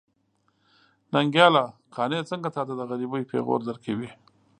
ننګياله! قانع څنګه تاته د غريبۍ پېغور درکوي.